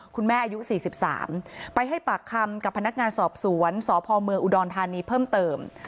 อายุ๔๓ไปให้ปากคำกับพนักงานสอบสวนสพเมืองอุดรธานีเพิ่มเติม